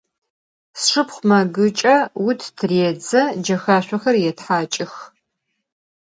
Sşşıpxhu megıç'e, vut tırêdze, cexaşsoxer yêthaç'ıx.